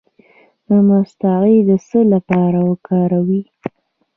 د مصطکي د څه لپاره وکاروم؟